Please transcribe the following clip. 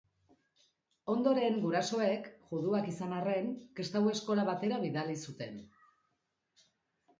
Ondoren gurasoek, juduak izan arren, kristau eskola batera bidali zuten.